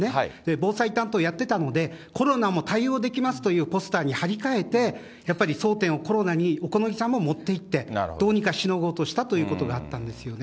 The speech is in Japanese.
防災担当やってたので、コロナも対応できますというポスターに貼り替えて、やっぱり争点をコロナに、小此木さんももっていって、どうにかしのごうとしたということがあったんですよね。